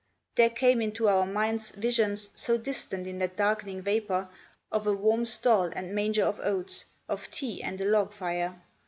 There came into our minds visions, so distant in that darkening vapour, of a warm stall and manger of oats; of tea and a log fire.